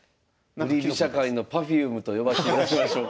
振り飛車界のＰｅｒｆｕｍｅと呼ばしていただきましょうか。